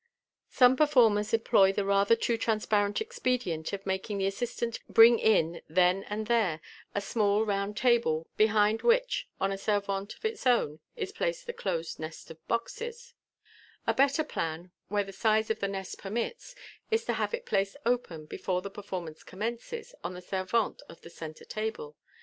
Some performers employ the rather too transparent expedient of making the assistant bring in, then and there, a small round table, behind which, on a servante of its own. is placed the closed nest of MODERN MAGIC. 245 boxes. A better plan, where the size of the nest permits, is to have it placed open, before the performance commences, on the servante of the centre table.